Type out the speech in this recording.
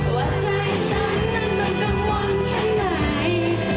ว่าใจฉันนั้นมันกังวลแค่ไหน